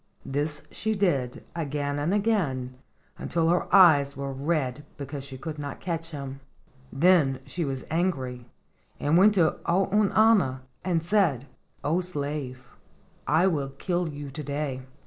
This she did again and again, until her eyes were red because she could not catch him. Then she was angry, and went to Ounauna and said: "O slave, I will kill you to day.